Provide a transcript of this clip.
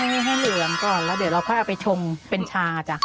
นี่ให้เหลืองก่อนแล้วเดี๋ยวเราก็เอาไปชงเป็นชาจ้ะ